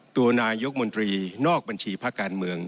ตัวนายกมนตรีนอกบัญชีภาคการเมือง